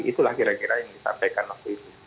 itulah kira kira yang disampaikan waktu itu